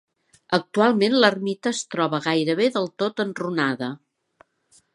Actualment l'ermita es troba gairebé del tot enrunada.